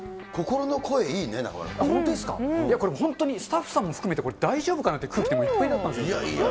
いやこれ、本当にスタッフさんも含めてこれ大丈夫かなって空気でいっぱいだいやいや。